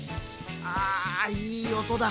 あいい音だ！